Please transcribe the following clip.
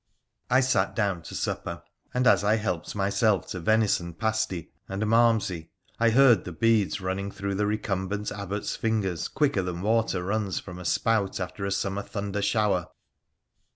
I sat down to supper, and as I helped myself to venison pastie and malmsey I heard the beads running through the recumbent Abbot's fingers quicker than water runs from a spout after a summer thunder shower.